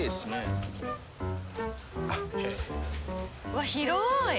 うわっ広い！